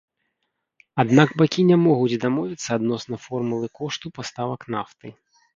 Аднак бакі не могуць дамовіцца адносна формулы кошту паставак нафты.